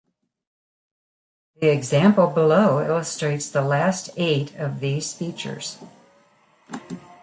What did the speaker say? The example below illustrates the last eight of these features.